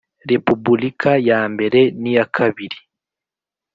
Repubulika ya mbere n iya kabiri